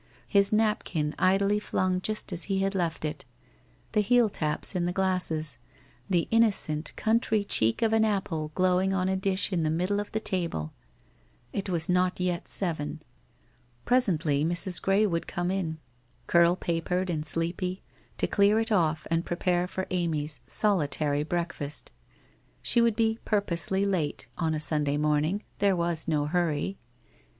His napkin idly flung just as he had left it — the heel taps in the glasses — the innocent country cheek of an apple glowing on a dish in the middle of the table ! It was not yet seven. Presently Mrs. Gray would come in, curl papered and sleepy, to clear it off and prepare for Amy's solitary breakfast. She would be purposely late, on a Sunday morning; there was no hurry.